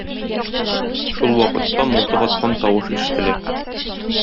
Шул вакытта мылтык аткан тавыш ишетелә.